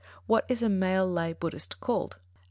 _What is a male lay Buddhist called?